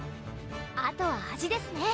あとは味ですね